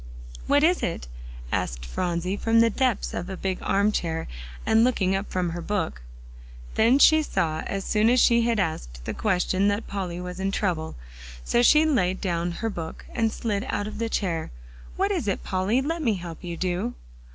"What is it?" asked Phronsie, from the depths of a big arm chair, and looking up from her book. Then she saw as soon as she had asked the question that Polly was in trouble, so she laid down her book, and slid out of the chair. "What is it, Polly? Let me help you, do."